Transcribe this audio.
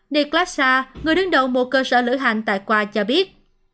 niklas sa người đứng đầu một cơ sở lửa hành tại qua cho biết